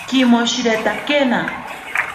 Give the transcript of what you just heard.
Kimoshiretakena.